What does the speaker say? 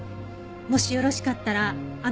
もしよろしかったらあの食材を。